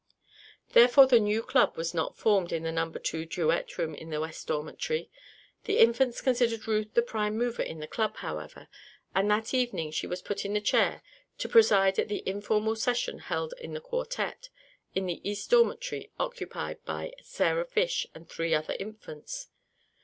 Therefore the new club was not formed in the Number 2 Duet Room in the West Dormitory. The Infants considered Ruth the prime mover in the club, however, and that evening she was put in the chair to preside at the informal session held in the quartette in the East Dormitory occupied by Sarah Fish and three other Infants.